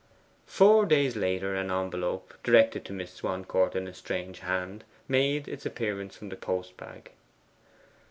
Four days later an envelope, directed to Miss Swancourt in a strange hand, made its appearance from the post bag.